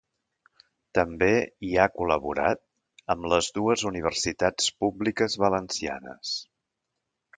També hi ha col·laborat amb les dues universitats públiques valencianes.